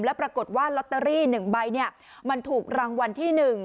แล้วปรากฏว่าลอตเตอรี่๑ใบมันถูกรางวัลที่๑